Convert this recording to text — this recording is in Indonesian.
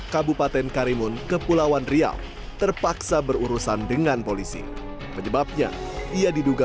kabupaten karimun kepulauan riau terpaksa berurusan dengan polisi penyebabnya ia diduga